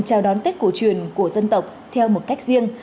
chào đón tết cổ truyền của dân tộc theo một cách riêng